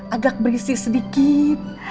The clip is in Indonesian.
agak berisi sedikit